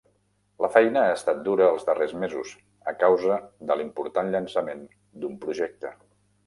La feina ha estat dura els darrers mesos a causa de l'important llançament d'un projecte.